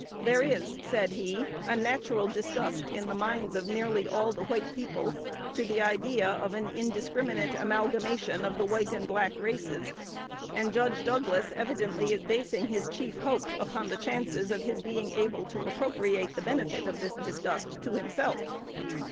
"There is," said he, "a natural disgust in the minds of nearly all the white people to the idea of an indiscriminate amalgamation of the white and black races; and Judge Douglas evidently is basing his chief hope upon the chances of his being able to appropriate the benefit of this disgust to himself.